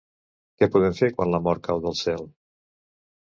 Què podem fer quan la mort cau del cel?.